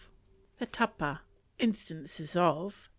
The Tapa. Instances of.